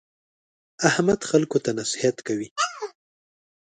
احمد خلکو ته نصیحت کوي.